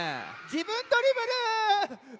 じぶんドリブル！